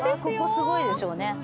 ここすごいでしょうね。